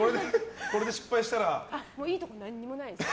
いいとこ何もないですよ。